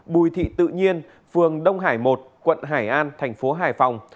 bùi thị tự nhiên phường đông hải một quận hải an tp hải phòng